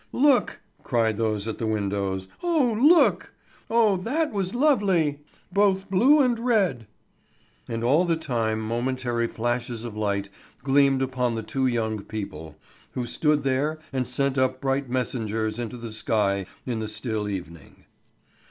"Look!" cried those at the windows. "Oh, look!" "Oh, that was lovely!" "Both blue and red!" And all the time momentary flashes of light gleamed upon the two young people, who stood there and sent up bright messengers into the sky in the still evening.